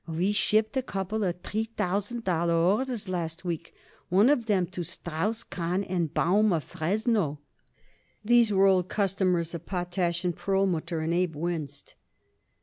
We shipped a couple of three thousand dollar orders last week. One of 'em to Strauss, Kahn & Baum, of Fresno." These were old customers of Potash & Perlmutter, and Abe winced.